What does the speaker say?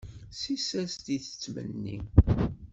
Ssis-as-d i yettmenni.